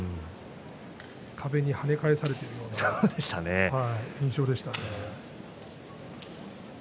壁に跳ね返されているような印象でしたね。